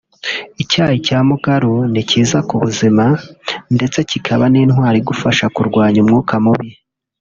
Icyayi cya mukaru ni cyiza ku buzima ndetse cyikaba n’intwaro igufasha kurwanya umwuka mubi